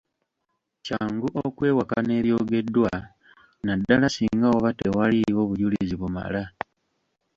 Kyangu okwewakana ebyogeddwa naddala singa waba tewaliiwo bujulizi bumala.